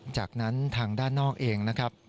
จากนั้นทางด้านนอกเอง